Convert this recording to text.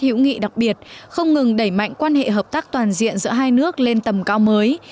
hữu nghị đặc biệt không ngừng đẩy mạnh quan hệ hợp tác toàn diện giữa hai nước lên tầm cao mới